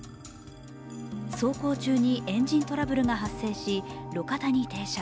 走行中のエンジントラブルが発生し、路肩に停車。